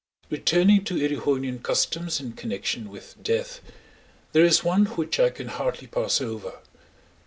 Returning to Erewhonian customs in connection with death, there is one which I can hardly pass over.